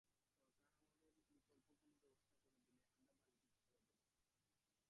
সরকার আমাদের বিকল্প কোনো ব্যবস্থা করে দিলে আমরা বাড়িটি ছেড়ে দেব।